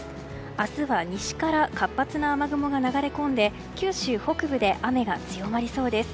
明日は西から活発な雨雲が流れ込んで九州北部で雨が強まりそうです。